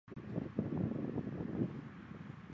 刘聪墓在山西省临汾市西南十一里。